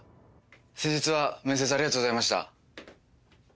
先日は面接ありがとうございました。